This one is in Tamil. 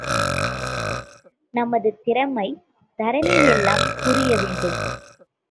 நமது திறமை தரணியெல்லாம் புரிய வேண்டும்.